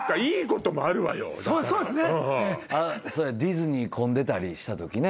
ディズニー混んでたりしたときね。